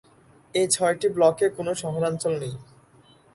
এই ছয়টি ব্লকে কোনো শহরাঞ্চল নেই।